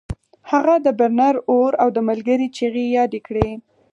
هغه د برنر اور او د ملګري چیغې یادې کړې